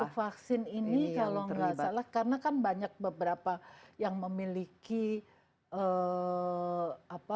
oh khusus untuk vaksin ini kalau nggak salah karena kan banyak beberapa yang memiliki fungsi fungsi yang berbeda